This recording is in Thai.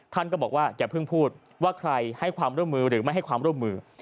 ท่านก็บอกว่าอย่าเพิ่งพูดว่าใครให้ความร่วมมือหรือไม่ให้ความร่วมมือ